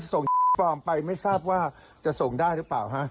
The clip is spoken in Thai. ถ้าส่งปลอมไปไม่ทราบว่าจะส่งได้หรือเปล่า